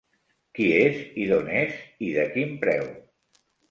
Qui és, i d'on és i de quin preu?